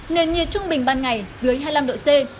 nền nhiệt trung bình ban ngày dưới hai mươi năm độ c